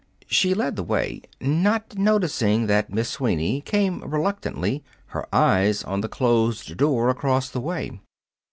She led the way, not noticing that Miss Sweeney came reluctantly, her eyes on the closed door across the way.